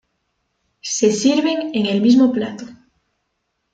Se sirven en el mismo plato.